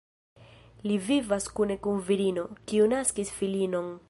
Li vivas kune kun virino, kiu naskis filinon.